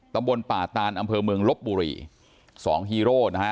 ตำบลป่าตานอำเภอเมืองลบบุรีสองฮีโร่นะฮะ